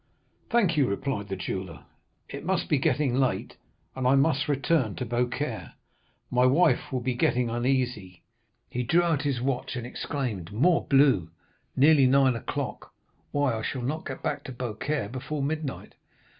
"'Thank you,' replied the jeweller, 'it must be getting late, and I must return to Beaucaire—my wife will be getting uneasy.' He drew out his watch, and exclaimed, 'Morbleu! nearly nine o'clock—why, I shall not get back to Beaucaire before midnight!